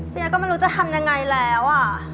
เฟียก็ไม่รู้จะทำยังไงแล้ว